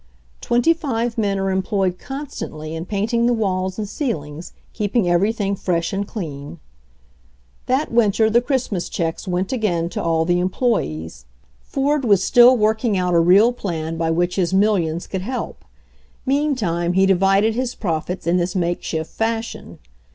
Twenty five men are employed constantly in painting the walls and ceilings, keeping everything fresh and clean. That winter the Christmas checks went again to all the employees. Ford was still working out 146 HENRY FORD'S OWN STORY a real plan by which his millions could help; meantime, he divided his profits in this makeshift fashion.